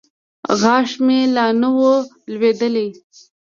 غاښ مې لا نه و لوېدلى.